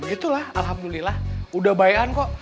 ya begitulah alhamdulillah udah bae an kok